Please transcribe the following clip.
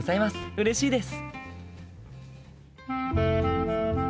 うれしいです！